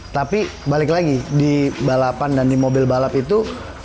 tapi balik lagi di balapan dan di mobil balap itu